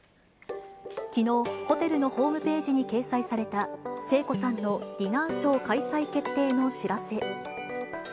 きのう、ホテルのホームページに掲載された、聖子さんのディナーショー開催決定の知らせ。